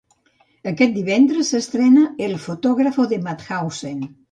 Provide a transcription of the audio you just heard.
Aquest divendres s'estrena "El Fotógrafo de Mauthasuen".